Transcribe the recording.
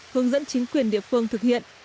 hướng dẫn chính quyền địa phương thực hiện